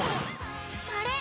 あれ？